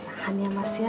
nahan ya mas ya